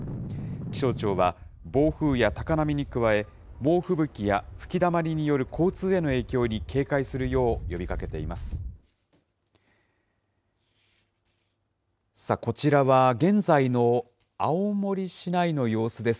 気象庁は、暴風や高波に加え、猛吹雪や吹きだまりによる交通への影響に警戒するよう呼びかけています。